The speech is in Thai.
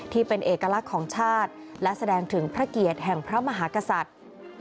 ที่เป็นเอกลักษณ์ของชาติและแสดงถึงพระเกียรติแห่งพระมหากษัตริย์